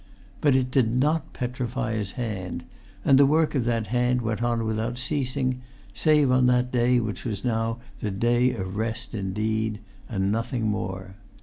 But it did not petrify his hand; and the work of that hand went on without ceasing, save on that day which was now the Day of Rest indeed—and nothing more.